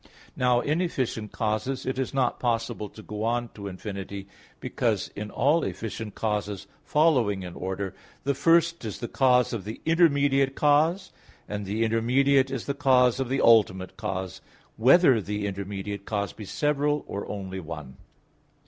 Now in efficient causes it is not possible to go on to infinity, because in all efficient causes following in order, the first is the cause of the intermediate cause, and the intermediate is the cause of the ultimate cause, whether the intermediate cause be several, or only one.